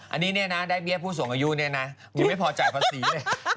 อันนี้เนี่ยนะได้เบี้ยผู้สูงอายุเนี่ยนะยังไม่พอจ่ายภาษีเลย